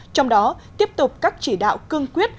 trong đó tiếp tục các chỉ đạo cương quyết